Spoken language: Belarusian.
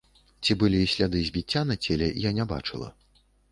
Ці былі сляды збіцця на целе, я не бачыла.